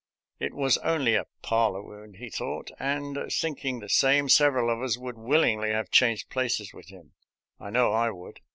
It was only a " parlor wound," he thought, and, think ing the same, several of us would willingly have changed places with him; I know I would.